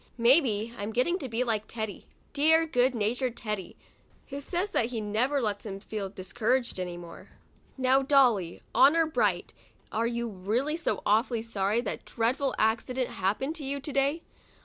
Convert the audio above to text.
Maybe I'm getting to be like Teddy, dear good natured Teddy, who says that he never lets himself feel discouraged any more. Now, Dolly, honor bright, are you really so awfully sorry that dreadful accident happened to you, to day?